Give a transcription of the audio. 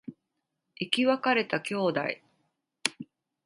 生き別れた兄弟